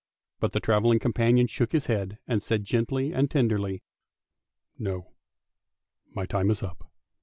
But the travelling companion shook his head, and said gently and tenderly, "No; my time is up.